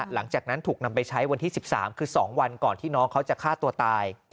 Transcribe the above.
หลังจากนั้นถูกนำไปใช้วันที่๑๓คือ๒วันก่อนที่น้องเขาจะฆ่าตัวตาย